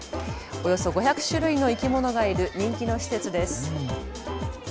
およそ５００種類の生き物がいる人気の施設です。